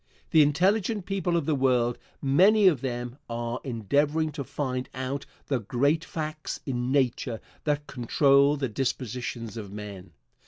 The intelligent people of the world, many of them, are endeavoring to find out the great facts in Nature that control the dispositions of men.